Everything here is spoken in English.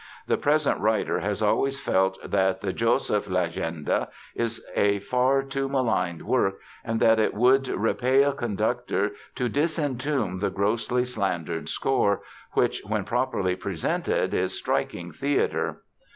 The present writer has always felt that the Josefslegende is a far too maligned work and that it would repay a conductor to disentomb the grossly slandered score, which when properly presented is striking "theatre".